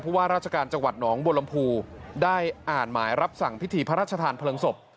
ว่าราชการจังหวัดหนองบัวลำพูได้อ่านหมายรับสั่งพิธีพระราชทานเพลิงศพ